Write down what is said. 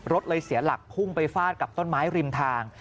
รถเลยเสียหลักพุ่งไปฟาดกับต้นไม้ริมทาง